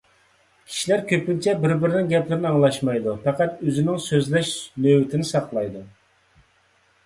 كىشىلەر كۆپىنچە بىر-بىرىنىڭ گەپلىرىنى ئاڭلاشمايدۇ، پەقەت ئۆزىنىڭ سۆزلەش نۆۋىتىنى ساقلايدۇ.